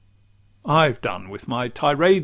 XLIX I've done with my tirade.